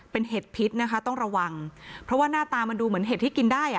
เป็นเห็ดพิษนะคะต้องระวังเพราะว่าหน้าตามันดูเหมือนเห็ดที่กินได้อ่ะ